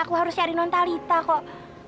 aku harus cari nontalita kok